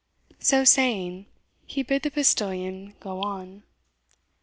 So saying, he bid the postilion go on.